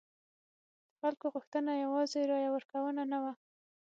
د خلکو غوښتنه یوازې رایه ورکونه نه وه.